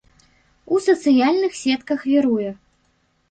У сацыяльных сетках віруе.